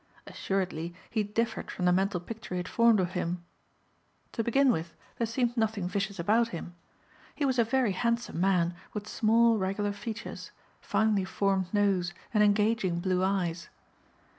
Assuredly he differed from the mental picture he had formed of him. To begin with there seemed nothing vicious about him. He was a very handsome man with small regular features, finely formed nose and engaging blue eyes.